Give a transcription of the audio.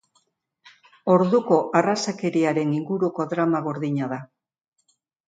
Orduko arrazakeriaren inguruko drama gordina da.